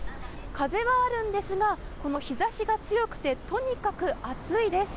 風はあるんですが、この日ざしが強くて、とにかく暑いです。